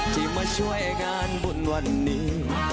ที่มาช่วยงานบุญวันนี้